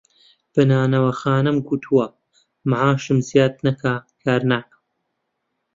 بە نانەواخانەم گوتووە مەعاشم زیاد نەکا کار ناکەم